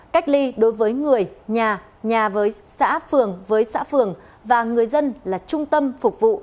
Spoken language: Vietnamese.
cách ly đối với người nhà nhà với xã phường với xã phường và người dân là trung tâm phục vụ